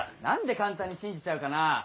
何で簡単に信じちゃうかな？